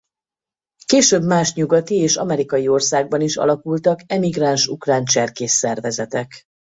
Később más nyugati és amerikai országban is alakultak emigráns ukrán cserkész szervezetek.